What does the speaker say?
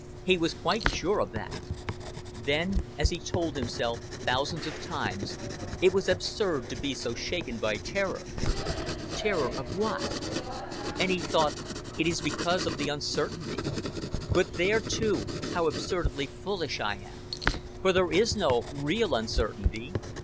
He was quite sure of that. Then, as he told himself thousands of times, it was absurd to be so shaken by terror. Terror of what? And he thought, "It is because of the uncertainty. But there too, how absurdly fullish I am; for there is no real uncertainty.